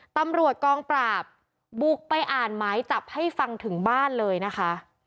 ตำรวจกองปราบบุกไปอ่านหมายจับให้ฟังถึงบ้านเลยนะคะ